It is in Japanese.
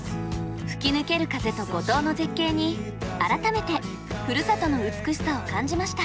吹き抜ける風と五島の絶景に改めてふるさとの美しさを感じました。